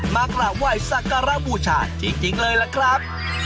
มากราบไหว้สักการะบูชาจริงเลยล่ะครับ